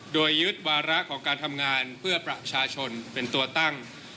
โดยยึดวาระของการทำงานเพื่อประชาชนเป็นตัวตั้ง